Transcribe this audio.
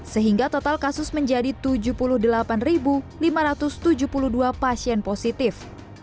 sehingga total kasus menjadi tujuh puluh delapan lima ratus tujuh puluh dua pasien positif